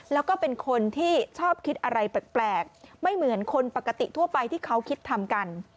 แล้วก็เป็นคนที่ชอบคิดอะไรแปลกไม่เหมือนคนปกติทั่วไปที่เขาคิดทำกัน